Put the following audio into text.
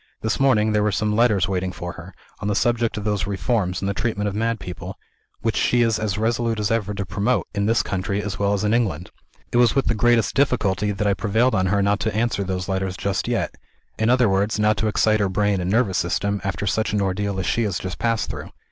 This morning there were some letters waiting for her, on the subject of those reforms in the treatment of mad people, which she is as resolute as ever to promote in this country as well as in England. It was with the greatest difficulty that I prevailed on her not to answer those letters just yet: in other words, not to excite her brain and nervous system, after such an ordeal as she has just passed through.